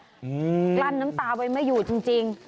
กลั้นน้ำตาไว้ไม่อยู่จริง